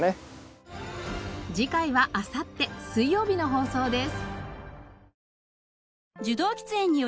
次回はあさって水曜日の放送です。